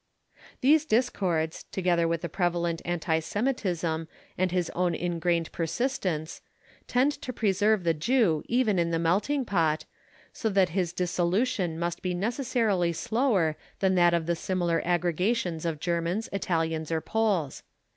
These discords, together with the prevalent anti Semitism and his own ingrained persistence, tend to preserve the Jew even in the "Melting Pot," so that his dissolution must be necessarily slower than that of the similar aggregations of Germans, Italians, or Poles.